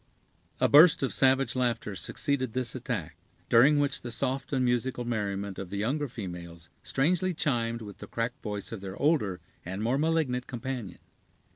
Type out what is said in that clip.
A burst of savage laughter succeeded this attack, during which the soft and musical merriment of the younger females strangely chimed with the cracked voice of their older and more malignant companion.